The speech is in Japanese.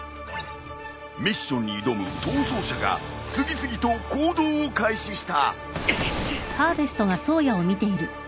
ミッションに挑む逃走者が次々と行動を開始した。